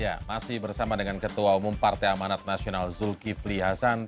ya masih bersama dengan ketua umum partai amanat nasional zulkifli hasan